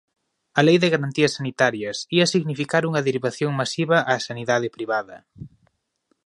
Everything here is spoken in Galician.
A Lei de garantías sanitarias ía significar unha derivación masiva á sanidade privada.